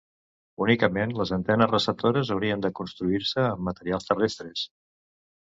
Únicament les antenes receptores haurien de construir-se amb materials terrestres.